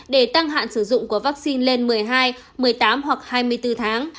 để tăng hạn sử dụng của vaccine lên một mươi hai một mươi tám hoặc hai mươi bốn tháng